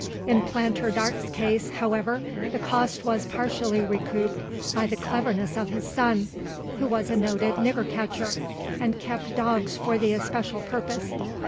In planter Darke's case, however, the cost was partially recouped by the cleverness of his son; who was a noted "nigger catcher," and kept dogs for the especial purpose.